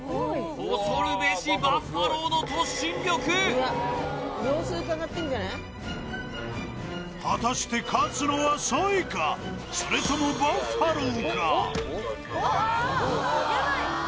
恐るべしバッファローの突進力果たして勝つのはサイかそれともバッファローか？